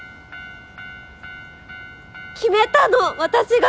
決めたの私が。